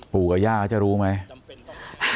ผู้กับหญ้าจะรู้ไหม